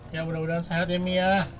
ya mudah mudahan sehat ya umi ya